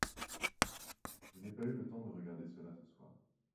je n'ai pas eu le temps de regarder cela ce soir.